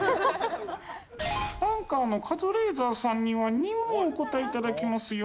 アンカーのカズレーザーさんには２問お答え頂きますよ。